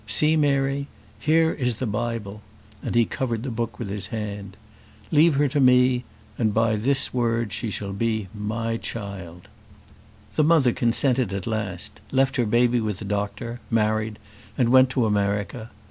See, Mary, here is the Bible;" and he covered the book with his hand. "Leave her to me, and by this word she shall be my child." The mother consented at last; left her baby with the doctor, married, and went to America.